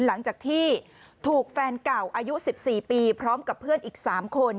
หลังจากที่ถูกแฟนเก่าอายุ๑๔ปีพร้อมกับเพื่อนอีก๓คน